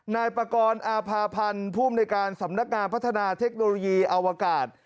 นายปากรอาภาพันธ์ภูมิในการสำนักงานพัฒนาเทคโนโลยีอวกาศ